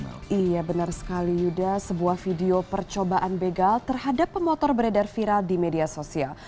iya benar sekali yuda sebuah video percobaan begal terhadap pemotor beredar viral di media sosial